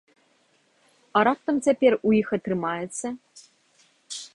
А раптам цяпер у іх атрымаецца?